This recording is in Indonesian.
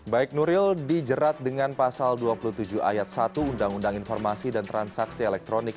baik nuril dijerat dengan pasal dua puluh tujuh ayat satu undang undang informasi dan transaksi elektronik